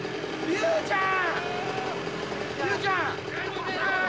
竜ちゃん！